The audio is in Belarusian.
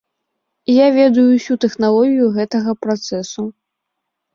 Я ведаю ўсю тэхналогію гэтага працэсу.